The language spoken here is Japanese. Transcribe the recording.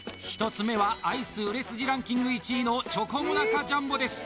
１つ目はアイス売れ筋ランキング１位のチョコモナカジャンボです